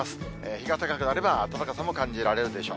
日が高くなれば暖かさも感じられるでしょう。